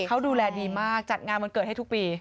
เขาดูแลดีมากจัดงานวันเกิดให้ทุกปี